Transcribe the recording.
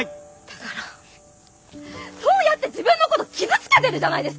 だからそうやって自分のこと傷つけてるじゃないですか！